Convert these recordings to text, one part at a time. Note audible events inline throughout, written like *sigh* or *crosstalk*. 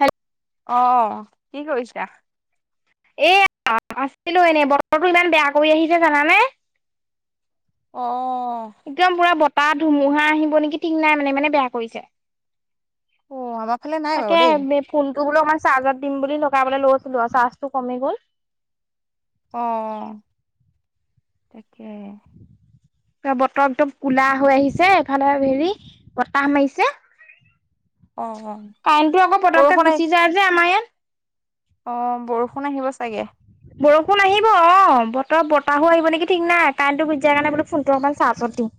হেল অ কি কৰিছা? এইয়া আছিলো এনেই বতৰটো ইমান বেয়া কৰি আহিছে জানানে অ একদম পুৰা বতাহ ধুমুহা আহিব নেকি ঠিক নাই মানে ইমানে বেয়া কৰিছে অ', আমাৰ ফালে নাই বাৰু তাকে দেই। বেপ ফোনটো বোলো অকমান চাৰ্জত দিম বুলি লগাবলে লৈছিলো আউ চাৰ্জটো কমি গ'ল অ তাকেহে এ বতৰটো কুলা হৈ আহিছে এফালে হেৰি বতাহ মাইছে *unintelligible* অ'। কাইণ্টো আকৌ পতককে বৰষুণ আহি গুচি যায় যে আমাৰ ইয়াত অ বৰষুণ আহিব চাগে বৰষুণ আহিব অ বতৰ বতাহো আহিব নেকি ঠিক নাই কাৰেণ্টটো গুচি যাই কাৰণে বোলো ফোনটো অকমান চাৰ্জত দিও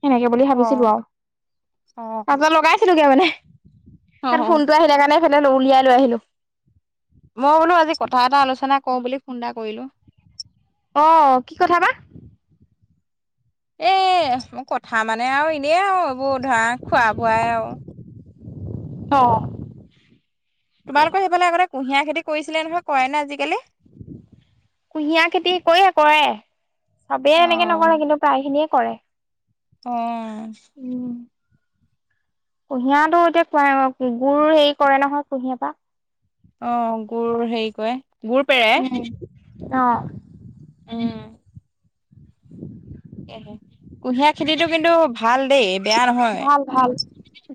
সেনেকে বুলি ভাবিছিলো অ', আউ অ', তাচত লগাইছিলোগে মানে সেত অ', ফোনটো আহিলে কাৰণে এফালে উলিয়াই লৈ আহিলো মই বোলো আজি কথা এটা আলোচনা কৰো বুলি ফোন এটা কৰিলো অ কি কথা বা এ কথা মানে আৰু এনেই আউ এইবোৰ ধৰা খোৱা বোৱাই আউ অ তোমালোকৰ সেফালে আগতে কুঁহিয়াৰ খেতি কৰিছিলে নহয় কৰে নে আজিকালি। কুঁহিয়াৰ খেতি কয়ে কৰে চবেই এনেকে নকৰে অ'। কিন্তু প্ৰায় খিনিয়ে কৰে। অ। কুঁহিয়াটো এতিয়া কোৱা অ গুুৰ হেৰি কৰে নহয় কুঁহিয়া পা অ', গুুৰ হেই কয় গুুৰ পেৰে। অ। উম। কেহে কুঁহিয়াৰ খেতিটো কিন্তু ভাল দেই বেয়া নহয়। ভাল ভাল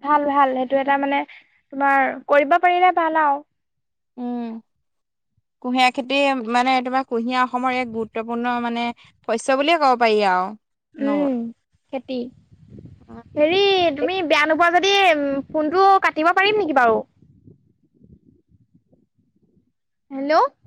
ভাল ভাল সেইটো এটা মানে তোমাৰ কৰিব পাৰিলে ভাল আউ উম। কুঁহিয়াৰ খেতি মানে তোমাৰ কুঁহিয়াৰ অসমৰ এক গুৰুত্বপূৰ্ণ মানে শস্য বুলিয়ে ক'ব পাৰি আউ উম খেতি। এই হেৰি তুমি বেয়া নোপোৱা যদি ফোনটো কাটিব পাৰিম নেকি বাউ হেল্লো।